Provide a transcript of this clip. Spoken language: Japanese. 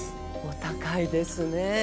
お高いですねぇ。